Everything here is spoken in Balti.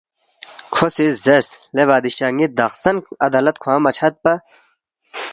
کھو سی زیرس، ”لے بادشاہ ن٘ی دخسن عدالت کھوانگ مہ چھدپا